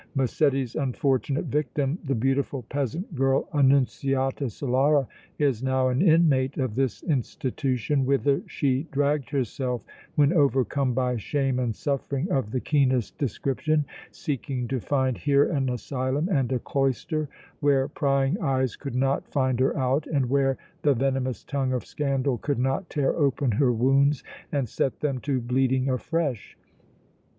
Massetti's unfortunate victim, the beautiful peasant girl Annunziata Solara, is now an inmate of this institution whither she dragged herself when overcome by shame and suffering of the keenest description, seeking to find here an asylum and a cloister where prying eyes could not find her out and where the venomous tongue of scandal could not tear open her wounds and set them to bleeding afresh.